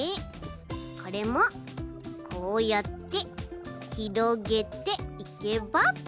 これもこうやってひろげていけば。